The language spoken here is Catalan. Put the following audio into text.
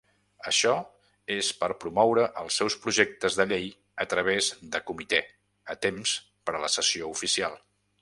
Això és per promoure els seus projectes de llei a través de comitè a temps per a la sessió oficial.